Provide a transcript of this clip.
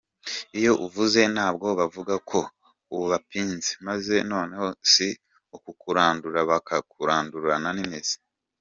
Iyo uvuze nabwo, bavuga ko ubapinze, maze noneho si ukukurandura, bakakurandurana n’imizi !